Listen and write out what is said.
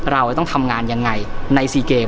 เราจะต้องทำงานยังไงใน๔เกม